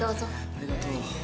ありがとう。